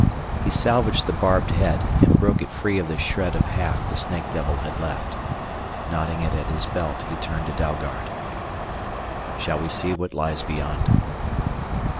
He salvaged the barbed head and broke it free of the shred of haft the snake devil had left. Knotting it at his belt he turned to Dalgard. "Shall we see what lies beyond?"